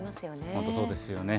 本当そうですよね。